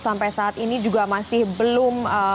sampai saat ini juga masih belum